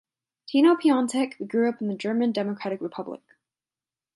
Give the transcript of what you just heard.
Tino Piontek grew up in the German Democratic Republic.